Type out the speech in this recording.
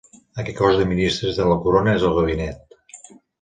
Aquest cos de ministres de la Corona és el Gabinet.